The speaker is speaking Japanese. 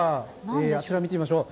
あちら、見てみましょう。